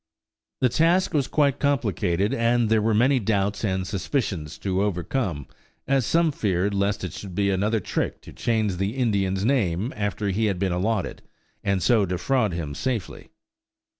The task was quite complicated and there were many doubts and suspicions to overcome, as some feared lest it should be another trick to change the Indian's name after he had been allotted, and so defraud him safely.